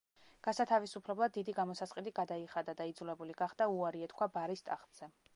გასათავისუფლებლად დიდი გამოსასყიდი გადაიხადა და იძულებული გახდა უარი ეთქვა ბარის ტახტზე.